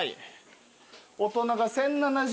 大人が１，０７０。